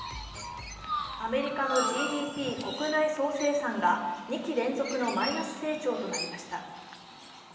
アメリカのＧＤＰ＝国内総生産が２期連続のマイナス成長となりました。